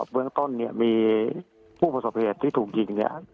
เบื้องต้นมีผู้ประสบเหตุที่ถูกยิง